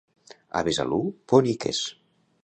A Besalú, boniques.